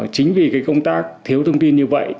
chính vì công tác thiếu thông tin như vậy